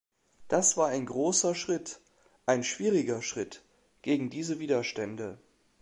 Das war ein großer Schritt, ein schwieriger Schritt gegen diese Widerstände.